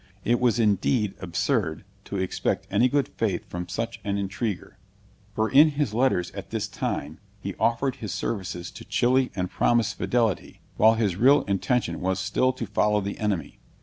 It was indeed absurd to expect any good faith from such an intriguer; for in his letters at this time, he offered his services to Chili and promised fidelity, while his real intention was still to follow the enemy.